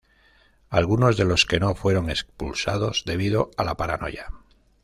Algunos de los que no, fueron expulsados debido a la paranoia.